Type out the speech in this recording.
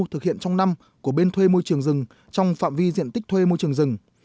thực hiện trong năm của bên thuê môi trường rừng trong phạm vi diện tích thuê môi trường rừng